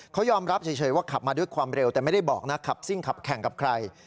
เขายอมรับเฉยว่าขับมาด้วยความเร็วแต่ไม่ได้บอกนะขับซิ่งขับแข่งกับใคร